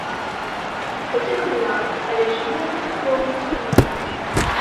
Рызыка была, але чаму гэта нікога не спыніла?